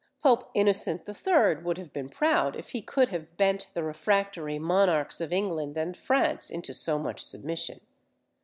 Pope Innocent III. would have been proud if he could have bent the refractory monarchs of England and France into so much submission.